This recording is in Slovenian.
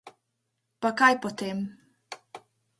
Pa kaj potem.